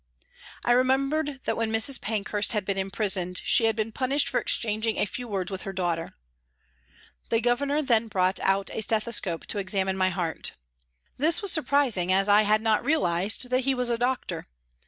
I remembered that when Mrs. Pankhurst had been imprisoned she had been punished for exchanging a few words with her daughter. The Governor then brought out a stethoscope to examine my heart. This was sur prising, as I had not realised that he was a doctor.